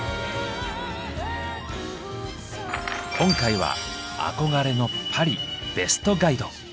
今回は憧れのパリベストガイド。